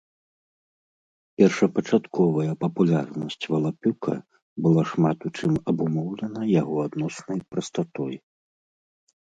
Першапачатковая папулярнасць валапюка была шмат у чым абумоўлена яго адноснай прастатой.